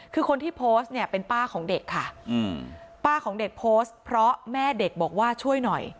คือคนที่โพสต์เนี่ยเป็นป้าของเด็กค่ะป้าของเด็กโพสต์เพราะแม่เด็กบอกว่าช่วยหน่อย